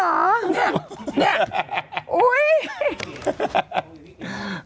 เนี้ยอุ้ย